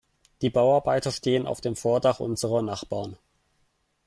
Die Bauarbeiter stehen auf dem Vordach unserer Nachbarn.